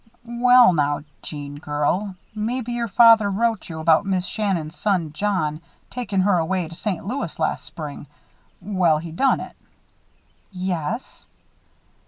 "Well, now, Jeannie girl, maybe your father wrote you about Mis' Shannon's son John takin' her away to St. Louis last spring? Well, he done it." "Yes?"